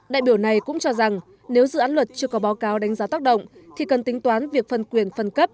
đại biểu này cũng cho rằng nếu dự án luật chưa có báo cáo đánh giá tác động thì cần tính toán việc phân quyền phân cấp